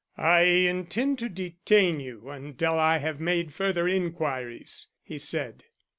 "I intend to detain you until I have made further inquiries," he said.